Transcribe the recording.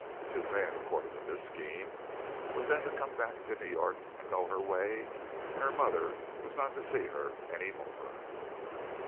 Suzanne, according to this scheme, was then to come back to New York and go her way and her mother was not to see her any more.